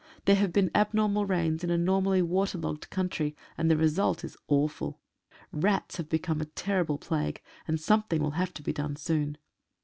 There have been abnormal rains in a normally waterlogged country, and the result is awful. Rats have become a terrible plague, and something will have to be done soon.